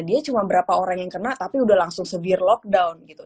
dia cuma berapa orang yang kena tapi udah langsung severe lockdown gitu